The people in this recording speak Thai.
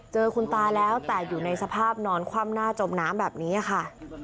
เจอคุณตาแล้วแต่อยู่ในสภาพนอนคว่ำหน้าจมน้ำแบบนี้ค่ะ